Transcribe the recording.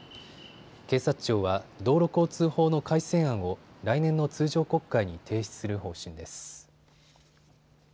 警察庁は道路交通法の改正案を来年の通常国会に提出する方針です。